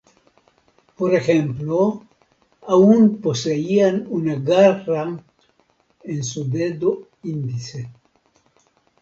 Por ejemplo, aún poseían una garra en su dedo índice.